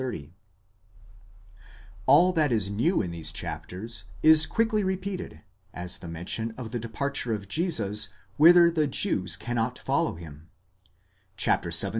ΑἹ] that is new in these chapters, is quickly repeated, as the mention of the de parture of Jesus whither the Jews cannot follow him (vii.